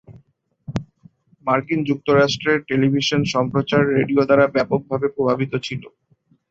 মার্কিন যুক্তরাষ্ট্রের টেলিভিশন সম্প্রচার রেডিও দ্বারা ব্যাপকভাবে প্রভাবিত ছিল।